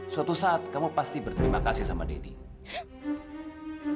suatu saat kamu pasti berterima kasih sama deddy